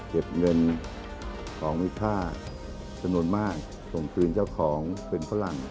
เก็บเงินของมีค่าจำนวนมากส่งคืนเจ้าของเป็นฝรั่ง